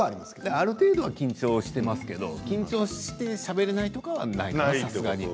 ある程度は緊張してますが緊張してしゃべれないってことないです。